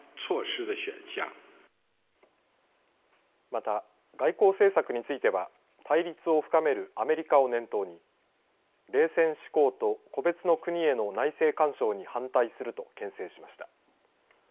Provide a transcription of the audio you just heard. また、外交政策については対立を深めるアメリカを念頭に冷戦思考と個別の国への内政干渉に反対するとけん制しました。